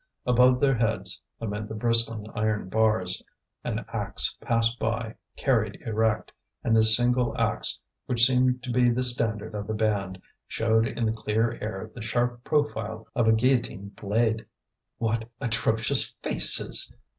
Above their heads, amid the bristling iron bars, an axe passed by, carried erect; and this single axe, which seemed to be the standard of the band, showed in the clear air the sharp profile of a guillotine blade. "What atrocious faces!"